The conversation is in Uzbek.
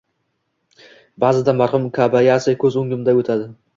Ba`zida marhum Kobayasi ko`z o`ngimdan o`tadi